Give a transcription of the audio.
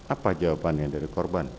apa jawabannya dari korban